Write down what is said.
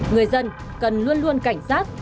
người dân cần luôn luôn cảnh sát